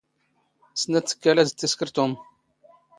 ⵙⵏⴰⵜ ⵜⴽⴽⴰⵍ ⴰⴷ ⵜⵜ ⵉⵙⴽⵔ ⵜⵓⵎ.